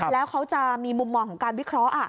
แล้วเขาจะมีมุมมองของการวิเคราะห์